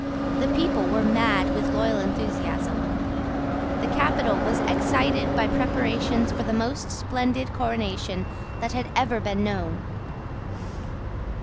The people were mad with loyal enthusiasm. The capital was excited by preparations for the most splendid coronation that had ever been known.